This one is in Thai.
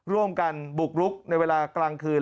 ร่วมกันบุกรุกในเวลากลางคืน